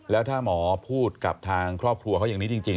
แล้วถ้าหมอพูดกับทางครอบครัวเขาอย่างนี้จริง